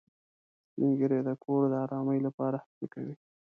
سپین ږیری د کور د ارامۍ لپاره هڅې کوي